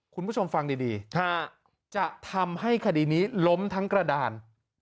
คุณผู้ชมฟังดีจะทำให้คดีนี้ล้มทั้งกระดาน